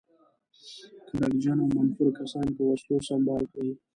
کرکجن او منفور کسان په وسلو سمبال کړي.